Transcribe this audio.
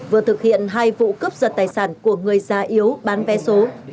vừa thực hiện hai vụ cướp giật tài sản của người già yếu bán vé số